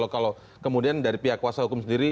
kalau kemudian dari pihak kuasa hukum sendiri